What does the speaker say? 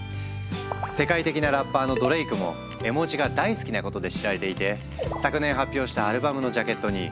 世界的なラッパーのドレイクも絵文字が大好きなことで知られていて昨年発表したアルバムのジャケットに絵文字を採用。